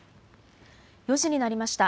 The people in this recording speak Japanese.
４時になりました。